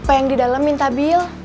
buka yang di dalam minta bil